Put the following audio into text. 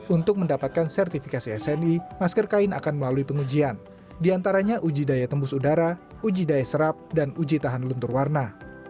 untuk mendapatkan sertifikasi sni masker kain akan melalui pengujian diantaranya uji daya tembus udara uji daya serap dan uji tahan luntur warna